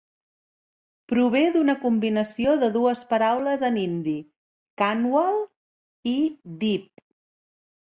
Prové d'una combinacio de dues paraules en hindi: "kanwal" i "deep".